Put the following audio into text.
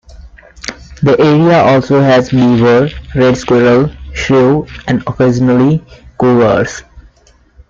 The area also has beaver, red squirrel, shrew and occasionally cougers.